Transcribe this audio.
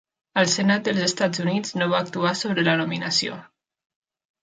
El Senat dels Estats Units no va actuar sobre la nominació.